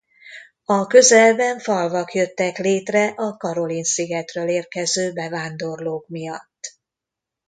A közelben falvak jöttek létre a Caroline-szigetekről érkező bevándorlók miatt.